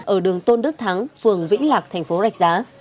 ở đường tôn đức thắng phường vĩnh lạc thành phố rạch giá